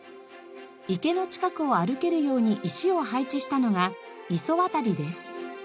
池の近くを歩けるように石を配置したのが磯渡りです。